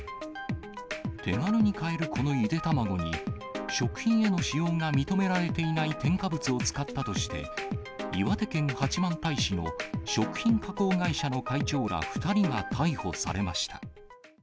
手軽に買えるこのゆで卵に、食品への使用が認められていない添加物を使ったとして、岩手県八幡平市の食品加工会社の会長ら２人が逮捕されました。